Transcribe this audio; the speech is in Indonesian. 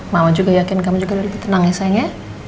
mama juga yakin kamu juga lebih tenang ya sayangnya